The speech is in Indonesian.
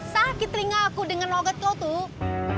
sakit telingaku dengan logat kau tuh